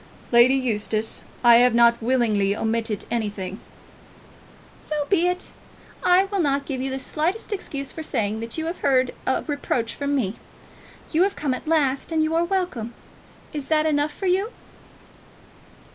"Lady Eustace, I have not willingly omitted anything." "So be it. I will not give you the slightest excuse for saying that you have heard a reproach from me. You have come at last, and you are welcome. Is that enough for you?"